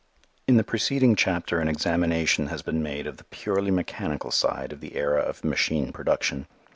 In the preceding chapter an examination has been made of the purely mechanical side of the era of machine production.